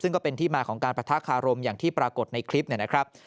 ซึ่งก็เป็นที่มาของการประทะคารมอย่างที่ปรากฏในคลิปเนี่ยนะครับ